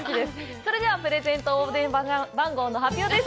それではプレゼント応募電話番号の発表です。